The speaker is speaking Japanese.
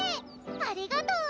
ありがとう！